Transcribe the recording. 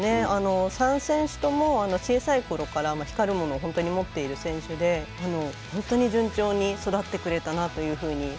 ３選手とも小さいころから光るものを本当に持っている選手で本当に順調に育ってくれたなというふうに。